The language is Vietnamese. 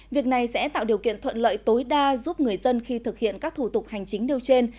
việc này sẽ tạo điều kiện thuận lợi tối đa giúp người dân khi thực hiện các thủ tục hành chính nêu trên